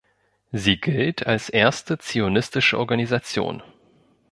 Sie gilt als erste zionistische Organisation.